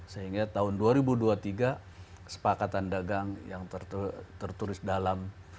sehingga tahun dua ribu dua puluh tiga kesepakatan dagang yang tertulis dalam